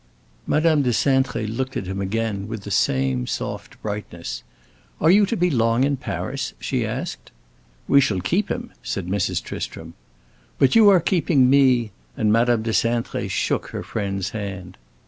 Madame de Cintré looked at him again, with the same soft brightness. "Are you to be long in Paris?" she asked. "We shall keep him," said Mrs. Tristram. "But you are keeping me!" and Madame de Cintré shook her friend's hand.